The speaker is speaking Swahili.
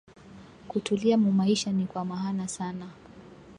Kutulia mumaisha nikwa mahana sana